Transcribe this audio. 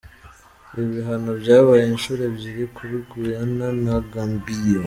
Ibihano byabaye inshuro ebyiri kuri Guyana na Gambia.